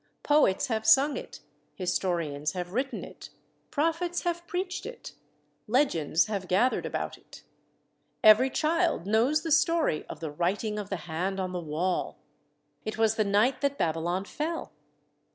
Poets have sung it. Historians have written it. Prophets have preached it. Legends have gathered about it. Every child knows the story of "the writing of the hand on the wall." It was the night that Babylon fell.